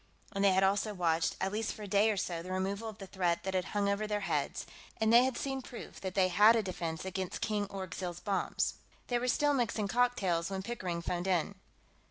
And they had also watched, at least for a day or so, the removal of the threat that had hung over their heads. And they had seen proof that they had a defense against King Orgzild's bombs. They were still mixing cocktails when Pickering phoned in.